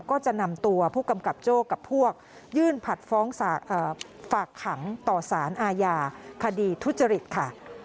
ก็จะนำตัวผู้กำกับโจ้กับพวกยื่นผัดฟ้องฝากขังต่อสารอาญาคดีทุจริตค่ะ